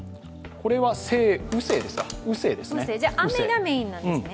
これは雨晴ですね。